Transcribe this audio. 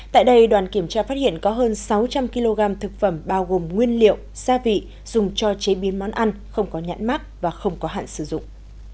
tại đây đoàn kiểm tra phát hiện có hơn sáu trăm linh kg thực phẩm bao gồm nguyên liệu gia vị dùng cho chế biến món ăn không có nhãn mắc và không có hạn sử dụng